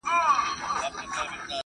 عضوي سرې د زعفرانو لپاره غوره دي.